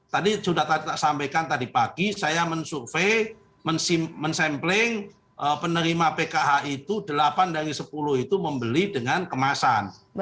tadi sudah sampaikan tadi pagi saya mensurvey mensampling penerima pkh itu delapan dari sepuluh itu membeli dengan kemasan